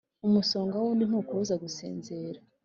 Umusonga wundi ntukubuza gusinzira.